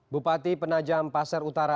bupati penajam pasar utara